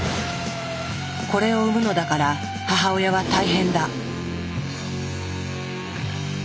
これを産むのだから母親は大変だ！